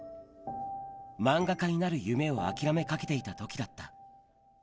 漫画家になる夢を諦めかけていたときだった。